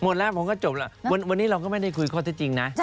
หมดแล้วผมก็จบแล้ววันนี้เราก็ไม่ได้คุยข้อที่จริงนะ